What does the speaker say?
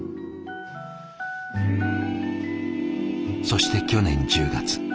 そして去年１０月。